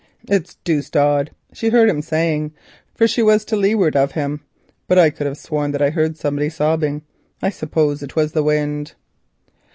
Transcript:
"It's very odd," she heard him say, for she was to leeward of him, "but I could have sworn that I heard somebody sobbing; I suppose it was the wind."